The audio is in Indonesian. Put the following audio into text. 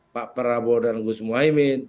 pak prabowo dan gus muhaymin